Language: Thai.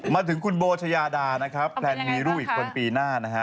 มาถึงคุณโบชายาดานะครับแพลนมีลูกอีกคนปีหน้านะฮะ